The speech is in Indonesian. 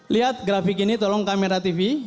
lihat grafik ini tolong kamera tv